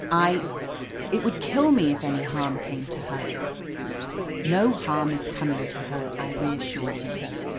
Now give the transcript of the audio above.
I — ^it would kill me if any harm came to her r "No harm is coming to her," I reassured him.